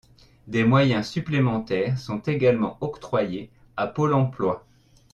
Des moyens supplémentaires sont également octroyés à Pôle emploi.